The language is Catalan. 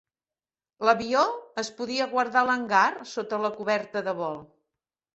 L'avió es podia guardar a l'hangar sota la coberta de vol.